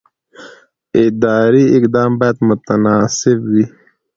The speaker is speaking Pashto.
اداري اقدام باید متناسب وي.